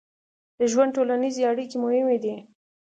د ژوند ټولنیزې اړیکې مهمې دي.